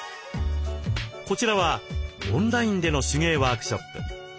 こちらはオンラインでの手芸ワークショップ。